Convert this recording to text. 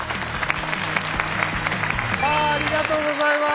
ありがとうございます